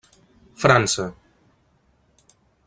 França.